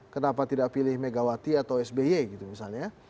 kenapa tidak pilih megawati atau sby gitu misalnya